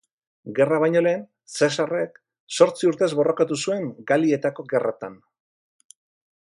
Gerra baino lehen, Zesarrek zortzi urtez borrokatu zuen Galietako gerretan.